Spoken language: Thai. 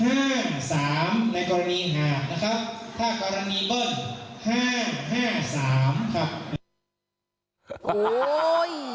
ถ้ากรณีบึ้ง๕๕๓ครับ